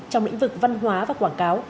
trong lĩnh vực văn hóa và quảng cáo